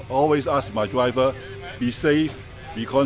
kalau kita gagal tidak ada poin yang bisa kita menangkan